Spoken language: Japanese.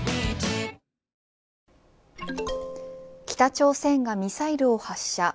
北朝鮮がミサイルを発射。